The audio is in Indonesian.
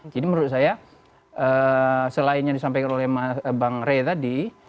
jadi menurut saya selain yang disampaikan oleh bang rey tadi